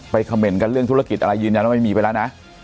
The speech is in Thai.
เขม่นกันเรื่องธุรกิจอะไรยืนยันว่าไม่มีไปแล้วนะ